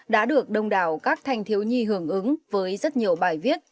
đã được đông đảo các thanh thiếu nhi hưởng ứng với rất nhiều bài viết